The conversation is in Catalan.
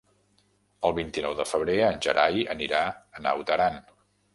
El vint-i-nou de febrer en Gerai anirà a Naut Aran.